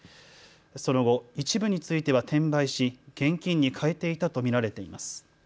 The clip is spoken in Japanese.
その後、一部については転売し現金に換えていたと見られています。